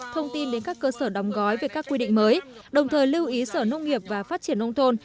thông tin đến các cơ sở đóng gói về các quy định mới đồng thời lưu ý sở nông nghiệp và phát triển nông thôn